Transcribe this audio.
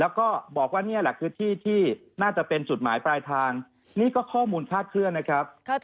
แล้วก็บอกว่านี่แหละคือที่ที่น่าจะเป็นจุดหมายปลายทางนี่ก็ข้อมูลคาดเคลื่อนนะครับ